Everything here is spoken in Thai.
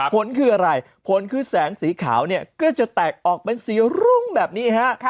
ผลคืออะไรผลคือแสงสีขาวเนี่ยก็จะแตกออกเป็นสีรุ้งแบบนี้ฮะ